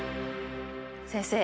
先生